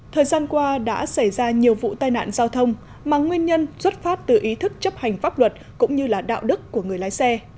thời gian qua đã xảy ra nhiều vụ tai nạn giao thông mà nguyên nhân xuất phát từ ý thức chấp hành pháp luật cũng như là đạo đức của người lái xe